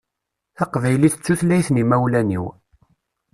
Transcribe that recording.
Taqbaylit d tutlayt n imawlan-iw.